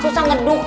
susah ngeduk nih